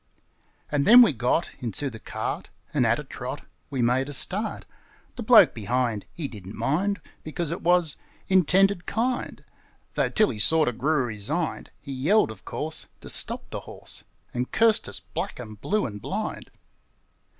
And then we got Into the cart, And at a trot We made a start; The bloke behind, He didn't mind, Becos It was Intended kind; Though, till he sorter grew resigned, He yelled, of course, To stop the horse, And cursed us black, and blue, and blind!